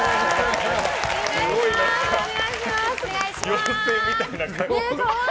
妖精みたいな格好。